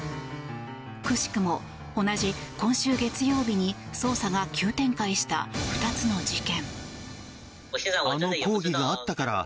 くしくも、同じ今週月曜日に捜査が急展開した２つの事件。